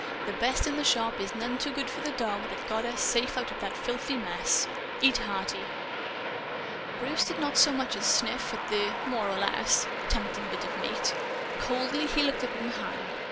"The best in the shop is none too good for the dog that got us safe out of that filthy mess. Eat hearty!" Bruce did not so much as sniff at the (more or less) tempting bit of meat. Coldly he looked up at Mahan.